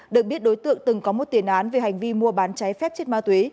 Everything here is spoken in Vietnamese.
được biết đối tượng từng có một tiền án về hành vi mua bán cháy phép chất ma túy